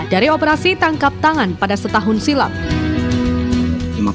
dari operasi tangkap tangan pada setahun silam